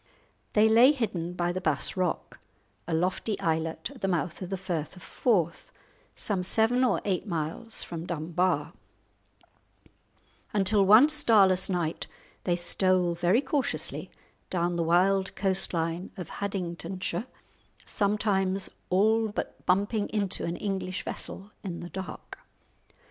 They lay hidden by the Bass Rock, a lofty islet at the mouth of the Firth of Forth, some seven or eight miles from Dunbar, until one starless night they stole very cautiously down the wild coast line of Haddingtonshire, sometimes all but bumping into an English vessel in the dark.